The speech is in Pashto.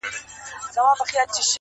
مه کوه گمان د ليوني گلي .